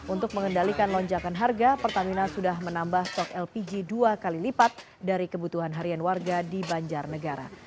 untuk mengendalikan lonjakan harga pertamina sudah menambah stok lpg dua kali lipat dari kebutuhan harian warga di banjarnegara